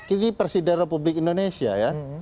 ini presiden republik indonesia ya